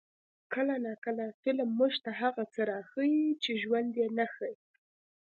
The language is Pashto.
کله ناکله فلم موږ ته هغه څه راښيي چې ژوند یې نه ښيي.